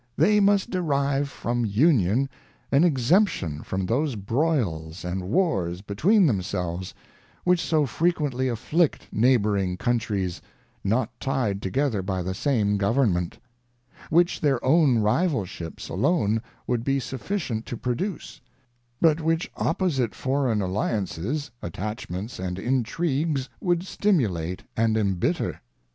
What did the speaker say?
they must derive from Union an exemption from those broils and wars between themselves, which so fre quently afflict neighbouring countries, not tied together by the same government ; which their own rivalships alone would be sufficient to produce; but which opposite foreign alli ances, attachments and intrigues would stim ulate and embitter.